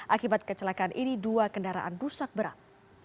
akibat kecelakaan ini dua kendaraan rusak berat